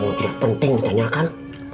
yang penting ditanyakan